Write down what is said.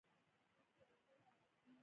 د ماشوم د خبرو لپاره له هغه سره خبرې وکړئ